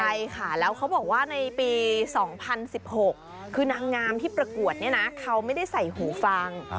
ใช่ค่ะแล้วเขาบอกว่าในปี๒๐๑๖คือนางงามที่ประกวดเนี่ยนะเขาไม่ได้ใส่หูฟัง